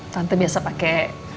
tante biasa pakai